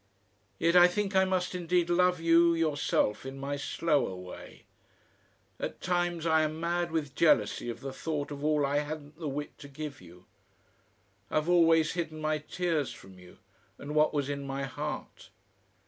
"Yet I think I must indeed love you yourself in my slower way. At times I am mad with jealousy at the thought of all I hadn't the wit to give you.... I've always hidden my tears from you and what was in my heart.